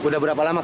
dari mana pak